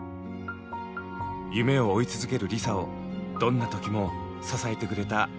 夢を追い続けるＬｉＳＡをどんな時も支えてくれた母。